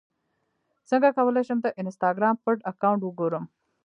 څنګه کولی شم د انسټاګرام پټ اکاونټ وګورم